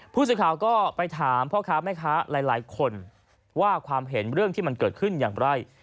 ผู้สื่อข่าวก็ไปถามพ่อค้าแม่ค้าหลายคนว่าความเห็นเรื่องที่มันเกิดขึ้นอย่างไร